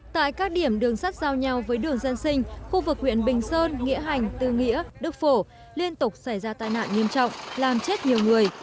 tại các điểm đường sắt giao nhau với đường dân sinh khu vực huyện bình sơn nghĩa hành tư nghĩa đức phổ liên tục xảy ra tai nạn nghiêm trọng làm chết nhiều người